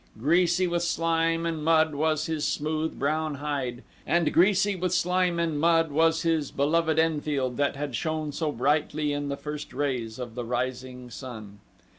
Greasy with slime and mud was his smooth, brown hide, and greasy with slime and mud was his beloved Enfield that had shone so brightly in the first rays of the rising sun.